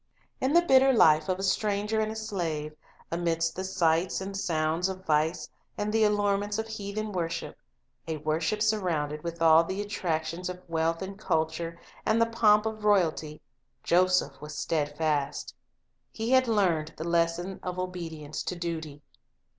In the bitter life of a stranger and a slave, amidst the sights and sounds of vice and the allurements of heathen worship, a worship surrounded with all the Lives of Great Men 53 attractions of wealth and culture and the pomp of royalty, Joseph was steadfast. He had learned the lesson of obedience to duty.